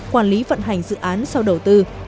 quản lý vận hành dự án sau đầu tư